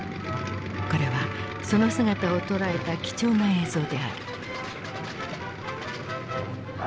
これはその姿を捉えた貴重な映像である。